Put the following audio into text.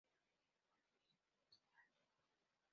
El film fue dirigido por Sam Wood.